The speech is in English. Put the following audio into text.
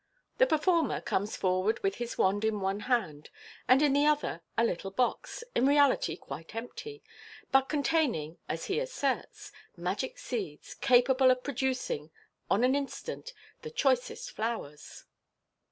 The per former comes forward with his wand in one hand, and in the other a little box, in reality quite empty, but con taining, as he asserts, magic seeds, capable of producing on the instant the choicest flowers.